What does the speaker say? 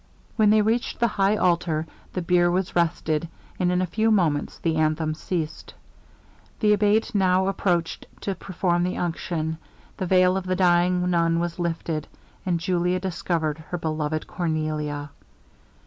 When they reached the high altar, the bier was rested, and in a few moments the anthem ceased. 'The Abate now approached to perform the unction; the veil of the dying nun was lifted and Julia discovered her beloved Cornelia!